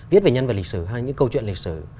viết về nhân vật lịch sử hay những câu chuyện lịch sử